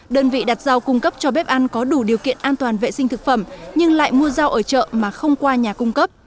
đơn vị đặt rau cung cấp cho bếp ăn có đủ điều kiện an toàn vệ sinh thực phẩm nhưng lại mua rau ở chợ mà không qua nhà cung cấp